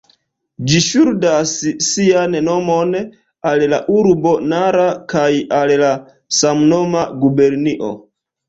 Ĝi ŝuldas sian nomon al la urbo Nara kaj al la samnoma gubernio.